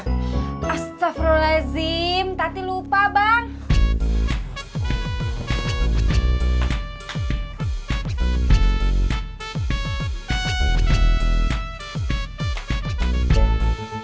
astagfirullahaladzim tadi lupa bang